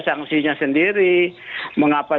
sanksinya sendiri mengapa